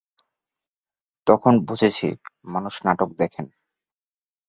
তখন বুঝেছি, মানুষ নাটক দেখেন।